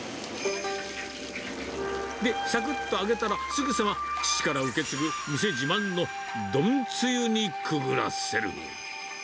で、さくっと揚げたら、すぐさま、父から受け継ぐ店自慢の丼つゆにくぐらせる。